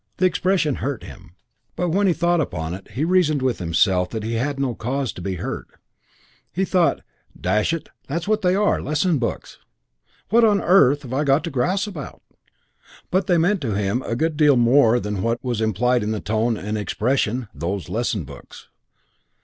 The expression hurt him, but when he thought upon it he reasoned with himself that he had no cause to be hurt. He thought, "Dash it, that's what they are, lesson books. What on earth have I got to grouse about?" But they meant to him a good deal more than what was implied in the tone and the expression "those lesson books."